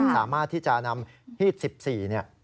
สามารถที่จะนำฮีด๑๔เนี่ย